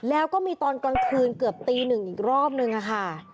แล้วก็มีตอนกลางคืนเกือบตีหนึ่งอีกรอบนึงค่ะ